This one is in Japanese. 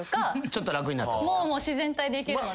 ちょっと楽になった？